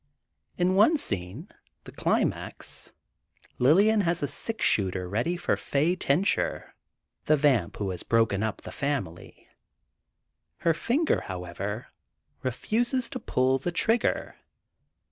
In one scene, the climax, Lillian has a sixshooter ready for Fay Tincher, the vamp who has broken up the family. Her finger, however, refuses to pull the trigger.